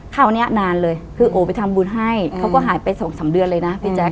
คราวนี้นานเลยคือโอไปทำบุญให้เขาก็หายไปสองสามเดือนเลยนะพี่แจ๊